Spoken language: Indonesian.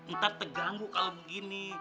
ntar teganggu kalau begini